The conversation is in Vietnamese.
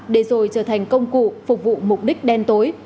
để rồi trở thành công cụ phục vụ mục đích đen tối